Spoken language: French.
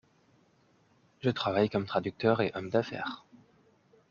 Je travaille comme traducteur et homme d’affaires.